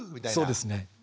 そうですね。